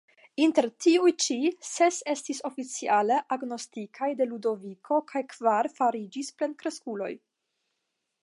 Inter tiuj ĉi, ses estis oficiale agnoskitaj de Ludoviko kaj kvar fariĝis plenkreskuloj.